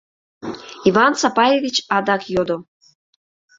— Иван Сапаевич адак йодо.